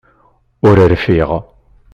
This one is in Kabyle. Ur rfiɣ!